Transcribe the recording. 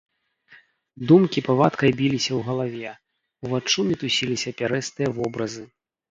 Думкі павадкай біліся ў галаве, уваччу мітусіліся пярэстыя вобразы.